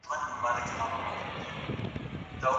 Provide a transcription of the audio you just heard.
تلک سنګهـ د احساساتي اسلوب په اړه خبرې وکړي.